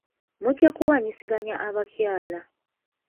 Mujja kuwanyisiganya abakyala.